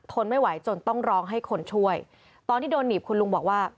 ทนไม่ไหวจนต้องร้องให้คนช่วยตอนที่โดนหนีบคุณลุงบอกว่า